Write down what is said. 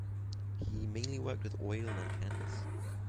He mainly worked with oil on canvas.